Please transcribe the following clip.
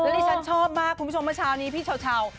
ที่ฉันชอบมากคุณผู้ชมเมื่อเช้านี้พี่เช้า